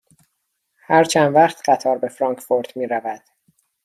هر چند وقت قطار به فرانکفورت می رود؟